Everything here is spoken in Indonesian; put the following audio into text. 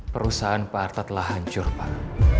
perusahaan pak arta telah hancur pak